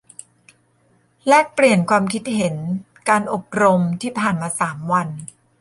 แลกเปลี่ยน ความคิดเห็นการอบรมที่ผ่านมาสามวัน